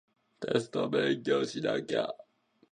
テスト勉強しなきゃ